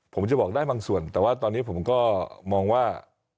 ผมจะบอกได้บางส่วนแต่ว่าตอนนี้ผมก็มองว่า